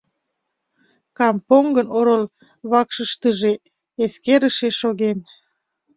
Кампонгын орол вышкыштыже эскерыше шоген.